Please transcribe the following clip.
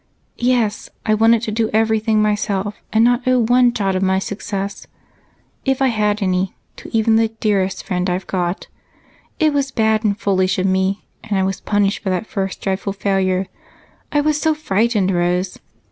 "Yes, I wanted to do everything myself and not owe one jot of my success, if I had any, to even the dearest friend I've got. It was bad and foolish of me, and I was punished by the first dreadful failure. I was so frightened, Rose!